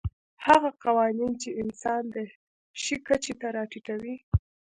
هغه قوانین چې انسان د شي کچې ته راټیټوي.